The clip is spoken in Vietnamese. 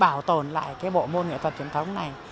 bảo tồn lại cái bộ môn nghệ thuật truyền thống này